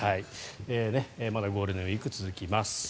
まだゴールデンウィーク続きます。